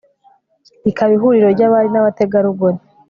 ikaba ihuriro ry'abari n'abategarugori